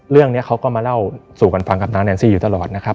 เรื่องนี้เขาก็มาเล่าสู่กันฟังกับนางแนนซี่อยู่ตลอดนะครับ